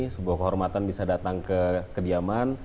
sebuah kehormatan bisa datang ke kediaman